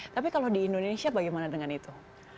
tapi kalau di indonesia bagaimana dengan itu